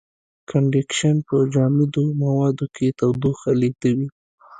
کنډکشن په جامدو موادو کې تودوخه لېږدوي.